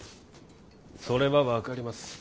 それは分かります。